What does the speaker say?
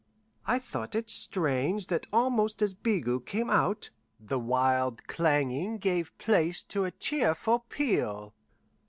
I thought it strange that almost as Bigot came out the wild clanging gave place to a cheerful peal.